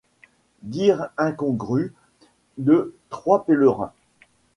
Dires incongreus de trois Pèlerins.